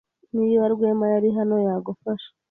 Niba Rwema yari hano, yagufasha.